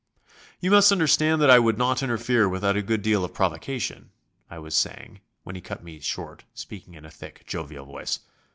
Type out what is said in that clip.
"You must understand that I would not interfere without a good deal of provocation," I was saying, when he cut me short, speaking in a thick, jovial voice.